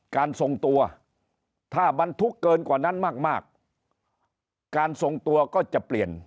การทรงตัวถ้าบรรทุกเกินกว่านั้นมากการทรงตัวก็จะเปลี่ยน